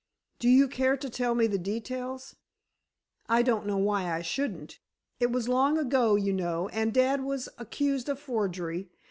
"Do you care to tell me the details?" "I don't know why I shouldn't. It was long ago, you know, and dad was accused of forgery.